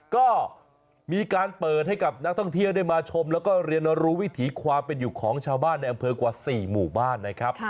ก็มีการเปิดให้กับนักท่องเที่ยวได้มาชมแล้วก็เรียนรู้วิถีความเป็นอยู่ของชาวบ้านในอำเภอกว่า๔หมู่บ้านนะครับ